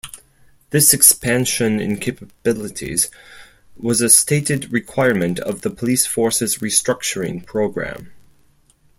This expansion in capabilities was a stated requirement of the police force's restructuring program.